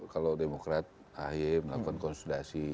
kalau demokrat ahy melakukan konsolidasi